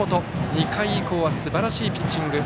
２回以降はすばらしいピッチング。